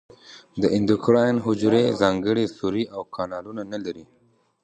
د اندوکراین حجرې ځانګړي سوري او کانالونه نه لري.